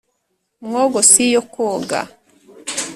mwogo si yo kwoga